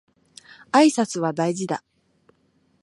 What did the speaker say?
挨拶は大事だ